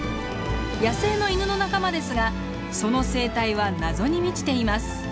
野生のイヌの仲間ですがその生態は謎に満ちています。